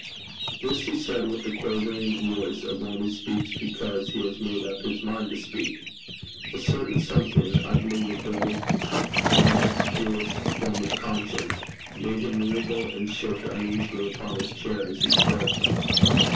This he said with the quavering voice of one who speaks because he has made up his mind to speak. A certain something, I believe a vague molluscous form of conscience, made him wriggle and shift uneasily upon his chair as he spoke.